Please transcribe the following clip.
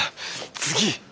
次！